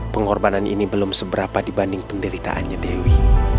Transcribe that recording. pengorbanan ini belum seberapa dibanding penderitaannya dewi